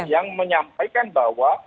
yang menyampaikan bahwa